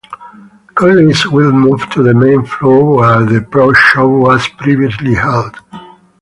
Curly's will move to the main floor where the Pro Shop was previously held.